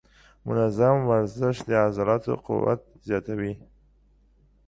منظم ورزش د عضلاتو قوت زیاتوي.